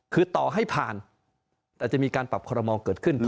คือต่อให้ผ่านแต่จะมีการปรับคอรมอลเกิดขึ้น